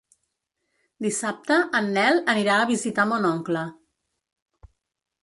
Dissabte en Nel anirà a visitar mon oncle.